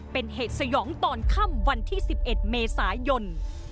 เป็นเหตุสยองตอนค่ำวันที่๑๑เมษายน